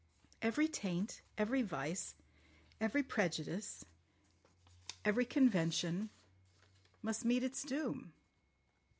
Every taint, every vice, every prejudice, every convention must meet its doom."